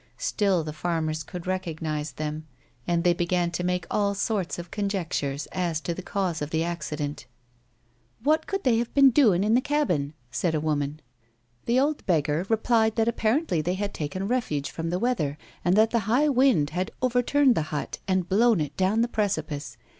Still the farmers could recognise them, and tliey began to make all sorts of conjectures as to the cause of the accident. " What could they have been doin' in the cabin 1 " said a woman. The old beggar replied that apparently they had taken refuge from the weather, and that the high wind had over turned the hut, and blown it down the precipice.